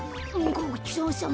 ごちそうさま。